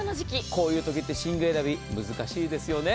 こういうときは寝具選び、難しいですよね。